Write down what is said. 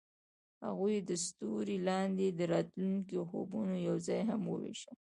هغوی د ستوري لاندې د راتلونکي خوبونه یوځای هم وویشل.